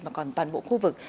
mà còn toàn bộ khu vực